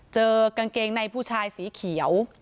เจอกางเกงในผู้ชายสีเขียว